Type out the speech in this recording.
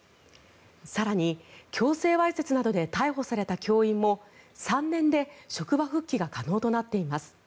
更に強制わいせつなどで逮捕された教員も３年で職場復帰が可能となっています。